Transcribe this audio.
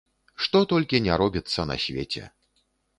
Што толькі не робіцца на свеце!